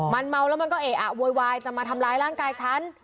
มันเมาแล้วมันก็เอะอะโวยวายจะมาทำร้ายร่างกายฉัน